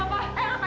pokok saya kenapa